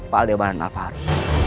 pak aldebaran alfahri